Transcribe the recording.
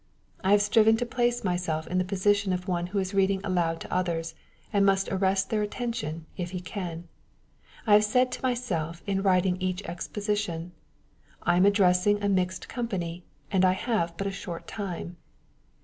I have striven to place myself in the position of on€i%ho is reading aloud to others, and must arrest their attention, if he can. I have said to myself in writing each Exposition, ^^I am addressing a mixed Company, and I have but a short time."